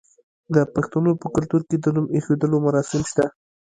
د پښتنو په کلتور کې د نوم ایښودلو مراسم شته.